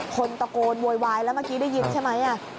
คนตะโกนโวยวายแล้วเมื่อกี้ได้ยินใช่ไหม